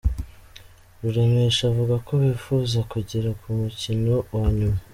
Ruremesha avuga ko bifuza kugera ku mukino wa nyuma.